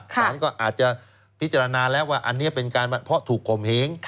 สารก็อาจจะพิจารณาแล้วว่าอันนี้เป็นการเพราะถูกข่มเหง